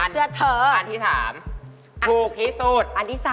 ฉันว่าอันนี้ถูกสุด